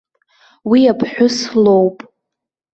Уи аԥҳәыс лоуп.